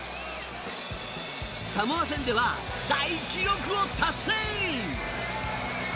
サモア戦では大記録を達成！